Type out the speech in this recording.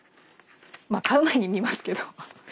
まあ買う前に見ますけど。